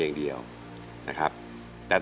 มูลค่า๔๐๐๐๐บาท